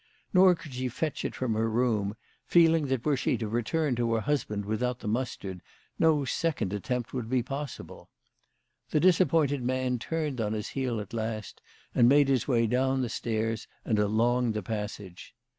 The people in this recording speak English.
Nor could she fetch it from her room, feeling that were she to return to her husband without the mustard no second attempt would be pos sible. The disappointed man turned on his heel at last, and made his way down the stairs and along the passage.